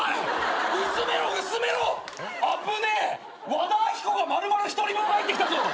和田アキ子が丸々一人分入ってきたぞ。